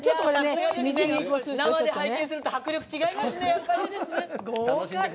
生で拝見すると迫力違いますね、豪快。